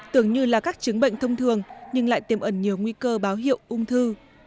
tưởng như là các chứng bệnh thông thường nhưng lại tiềm ẩn nhiều nguy cơ báo hiệu ung thư